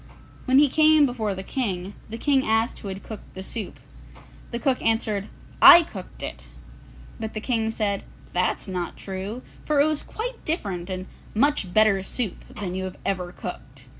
When he came before the King, the King asked who had cooked the soup. The cook answered, 'I cooked it.' But the King said, 'That's not true, for it was quite different and much better soup than you have ever cooked.